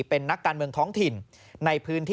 เป็นนักการเมืองท้องถิ่น